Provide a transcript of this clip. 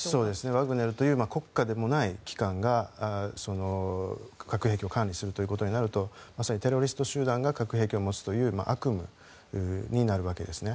ワグネルという国家でもない機関が核兵器を管理するということになるとまさにテロリスト集団が核兵器を持つという悪夢になるわけですね。